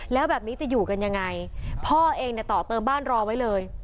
แล้วแบบนี้จะอยู่กันยังไงพ่อเองเนี่ยต่อเติมบ้านรอไว้เลย